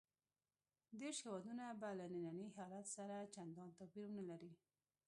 دېرش هېوادونه به له ننني حالت سره چندان توپیر ونه لري.